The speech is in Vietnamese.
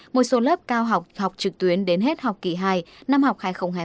một số lớp cao học học trực tuyến đến hết học kỷ hai năm học hai nghìn hai mươi một hai nghìn hai mươi hai